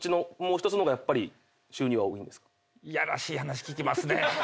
いやらしい話聞きますね。